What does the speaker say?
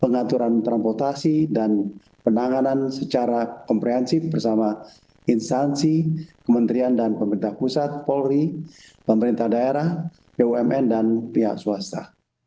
pengaturan transportasi dan penanganan secara komprehensif bersama instansi kementerian dan pemerintah pusat polri pemerintah daerah bumn dan pihak swasta